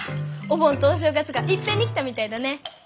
お盆とお正月がいっぺんに来たみたいだね。